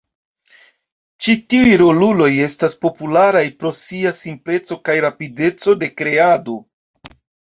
Ĉi tiuj roluloj estas popularaj pro sia simpleco kaj rapideco de kreado.